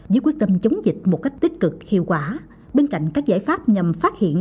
với quyết tâm chống dịch một cách tích cực hiệu quả bên cạnh các giải pháp nhằm phát hiện